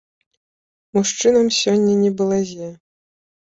Мужчынам сёння не балазе.